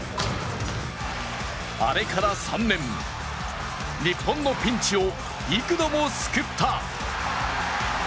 あれから３年、日本のピンチを幾度も救った！